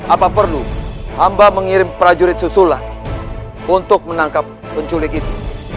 apa perlu hamba mengirim prajurit susulan untuk menangkap penculik itu